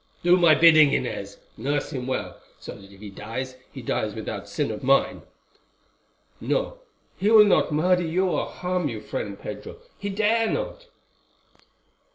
Do my bidding, Inez. Nurse him well, so that if he dies, he dies without sin of mine,' No, he will not murder you or harm her. Friend Pedro, he dare not."